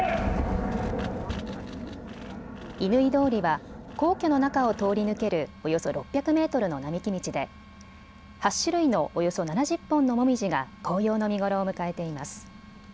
乾通りは皇居の中を通り抜けるおよそ６００メートルの並木道で８種類のおよそ７０本のもみじが紅葉の見頃を迎えています。